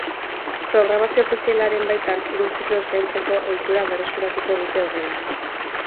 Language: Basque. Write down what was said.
Programazio ofizialaren baitan hiru ziklo eskaintzeko ohitura berreskuratuko dute horrela.